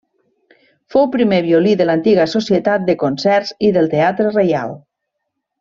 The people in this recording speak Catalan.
Fou primer violí de l'antiga Societat de Concerts i del Teatre Reial.